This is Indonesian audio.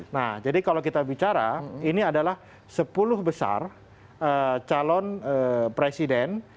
nah jadi kalau kita bicara ini adalah sepuluh besar calon presiden